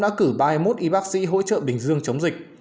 từ ba mươi một y bác sĩ hỗ trợ bình dương chống dịch